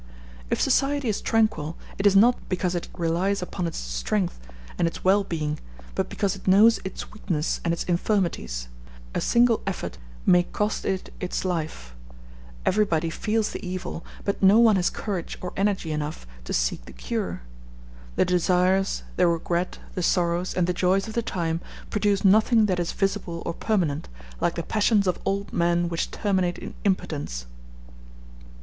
If society is tranquil, it is not because it relies upon its strength and its well being, but because it knows its weakness and its infirmities; a single effort may cost it its life; everybody feels the evil, but no one has courage or energy enough to seek the cure; the desires, the regret, the sorrows, and the joys of the time produce nothing that is visible or permanent, like the passions of old men which terminate in impotence.